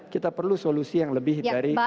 kita perlu solusi yang lebih dari